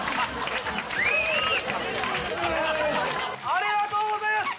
ありがとうございます。